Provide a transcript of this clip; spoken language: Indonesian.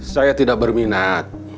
saya tidak berminat